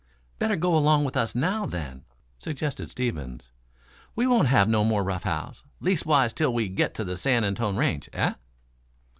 "Better go along with us now, then," suggested Stevens. "We won't have no more rough house, leastwise till we get to the San Antone Range, eh?"